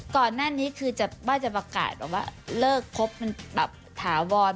ก่อนหน้านี้คือป้าจะประกาศแบบว่าเลิกครบมันแบบถาวร